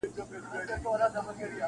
جام دي کم ساقي دي کمه بنګ دي کم-